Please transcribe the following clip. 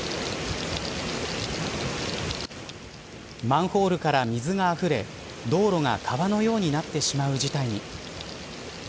マンホールから水があふれ道路が川のようになってしまう事態に。